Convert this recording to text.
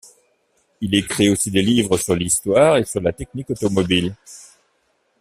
Il écrit aussi des livres sur l'histoire et sur la technique automobile.